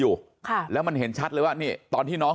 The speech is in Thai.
ลูกสาวหลายครั้งแล้วว่าไม่ได้คุยกับแจ๊บเลยลองฟังนะคะ